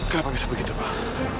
kenapa bisa begitu pak